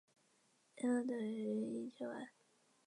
一克若等于一千万。